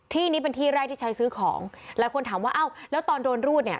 ที่นี้เป็นที่แรกที่ใช้ซื้อของหลายคนถามว่าอ้าวแล้วตอนโดนรูดเนี่ย